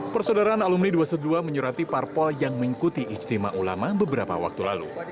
persaudaraan alumni dua ratus dua belas menyurati parpol yang mengikuti ijtima ulama beberapa waktu lalu